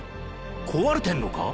壊れてんのか？